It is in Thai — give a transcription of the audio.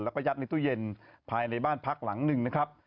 แล้วก็ยัดในตู้เย็นภายในบ้านพักหลังหนึ่งนะครับ